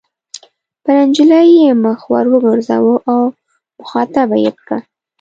پر نجلۍ یې مخ ور وګرځاوه او مخاطبه یې کړه.